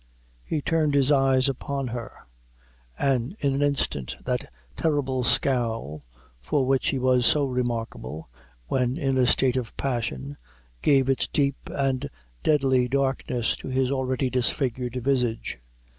He turned his eyes upon her; and in an instant that terrible scowl, for which he was so remarkable, when in a state of passion, gave its deep and deadly darkness to his already disfigured visage.